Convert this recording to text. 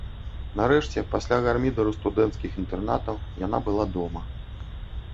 Нарэшце, пасля гармідару студэнцкіх інтэрнатаў, яна была дома.